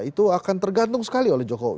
itu akan tergantung sekali oleh jokowi